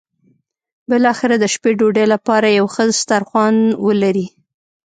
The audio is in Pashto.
بالاخره د شپې ډوډۍ لپاره یو ښه سترخوان ولري.